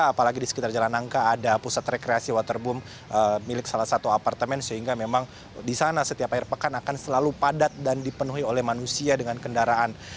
apalagi di sekitar jalan nangka ada pusat rekreasi waterboom milik salah satu apartemen sehingga memang di sana setiap air pekan akan selalu padat dan dipenuhi oleh manusia dengan kendaraan